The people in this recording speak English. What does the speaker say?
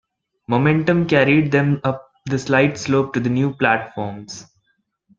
Momentum carried them up the slight slope to the new platforms.